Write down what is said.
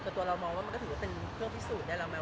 แต่ตัวเรามองว่ามันก็ถือว่าเป็นเครื่องพิสูจน์ได้แล้วมั้